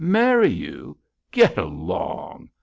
'Marry you! Get along!'